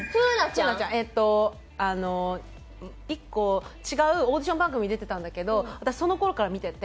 えっと１個違うオーディション番組に出てたんだけど私その頃から見てて。